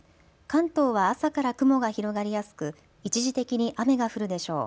関東は朝から雲が広がりやすく一時的に雨が降るでしょう。